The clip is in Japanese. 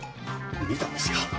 見たんですよ。